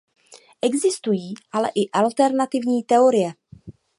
Existují ale i alternativní teorie.